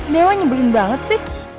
dewa nyebelin banget sih